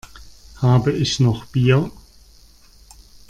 Habe ich noch Bier?